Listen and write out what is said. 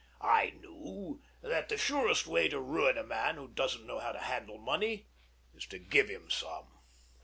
I knew that the surest way to ruin a man who doesn't know how to handle money is to give him some.